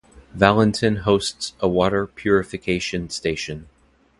Valenton hosts a water purification station.